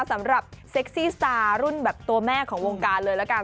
เซ็กซี่สตาร์รุ่นแบบตัวแม่ของวงการเลยละกัน